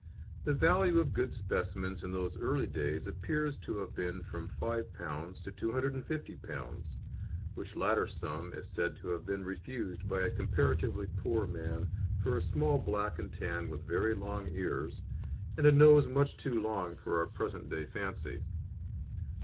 The value of good specimens in those early days appears to have been from P5 to P250, which latter sum is said to have been refused by a comparatively poor man for a small black and tan with very long ears, and a nose much too long for our present day fancy.